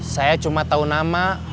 saya cuma tahu nama